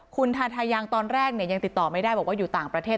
คุณทาทายังตอนแรกยังติดต่อไม่ได้บอกว่าอยู่ต่างประเทศ